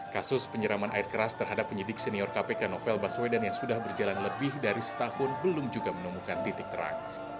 kasus penyeraman air keras terhadap penyidik senior kpk novel baswedan yang sudah berjalan lebih dari setahun belum juga menemukan titik terang